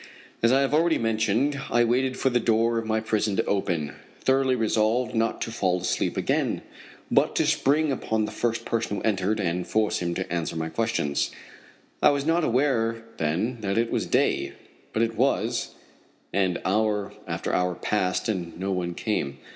As I have already mentioned, I waited for the door of my prison to open, thoroughly resolved not to fall asleep again, but to spring upon the first person who entered and force him to answer my questions. I was not aware then that it was day, but it was, and hour after hour passed and no one came.